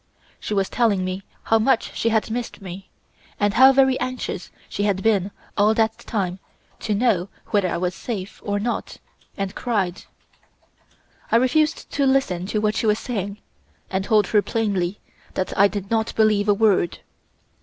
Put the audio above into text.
She was telling me how much she had missed me, and how very anxious she had been all that time to know whether I was safe or not, and cried. I refused to listen to what she was saying and told her plainly that I did not believe a word.